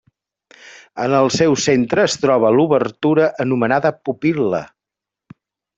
En el seu centre es troba l'obertura anomenada pupil·la.